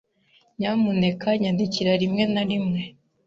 Nyamuneka nyandikira rimwe na rimwe.